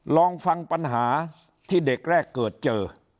ลองฟังปัญหาที่เด็กแรกเกิดเจอ